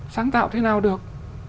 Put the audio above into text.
sáng tạo thế nào được